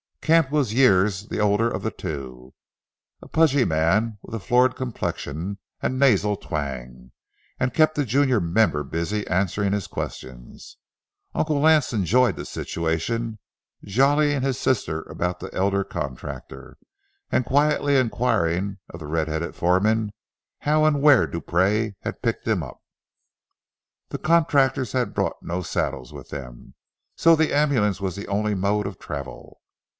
Camp was years the older of the two, a pudgy man with a florid complexion and nasal twang, and kept the junior member busy answering his questions. Uncle Lance enjoyed the situation, jollying his sister about the elder contractor and quietly inquiring of the red haired foreman how and where Dupree had picked him up. The contractors had brought no saddles with them, so the ambulance was the only mode of travel.